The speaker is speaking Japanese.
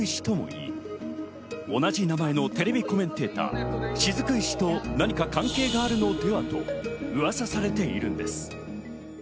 これは別名・雫石ともいい、同じ名前のテレビコメンテーター・雫石と何か関係があるのではと噂されているんです。